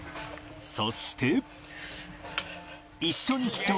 そして